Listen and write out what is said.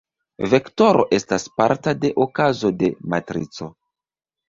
Vektoro estas parta de okazo de matrico.